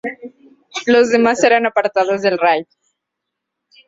Los demás serán apartados del Raid.